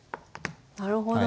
なるほど。